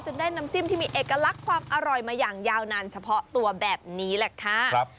ได้น้ำจิ้มที่มีเอกลักษณ์ความอร่อยมาอย่างยาวนานเฉพาะตัวแบบนี้แหละค่ะ